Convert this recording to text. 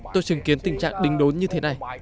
tôi chứng kiến tình trạng đính đốn như thế này